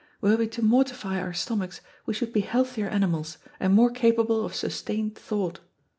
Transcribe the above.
Were we to mortify our stomachs we should be healthier animals and more capable of sustained thought.